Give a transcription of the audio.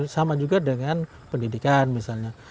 sama juga dengan pendidikan misalnya